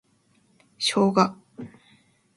ショウガ